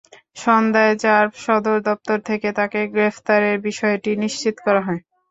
সন্ধ্যায় র্যাব সদর দপ্তর থেকে তাঁকে গ্রেপ্তারের বিষয়টি নিশ্চিত করা হয়।